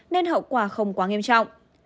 nên hậu quả không quá nghiêm trọng